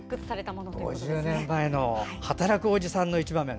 ５０年前の「はたらくおじさん」の一場面。